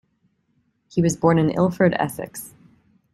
He was born in Ilford, Essex.